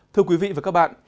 thưa quý vị và các bạn